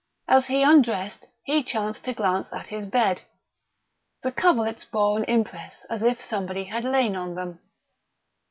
As he undressed, he chanced to glance at his bed. The coverlets bore an impress as if somebody had lain on them.